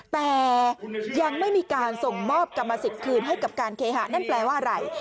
แต่ยังไม่มีการส่งมอบกรรมสิทธิ์คืนให้กับการเคหะนั่นแปลว่าอะไร